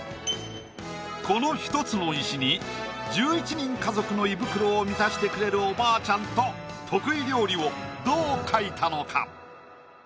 この１つの石に１１人家族の胃袋を満たしてくれるおばあちゃんと得意料理をどう描いたのか？